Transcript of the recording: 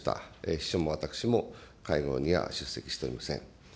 秘書も私も会合には出席しておりません。